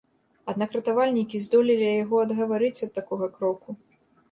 Аднак ратавальнікі здолелі яго адгаварыць ад такога кроку.